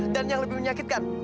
dan yang lebih menyakitkan